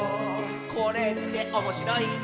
「これっておもしろいんだね」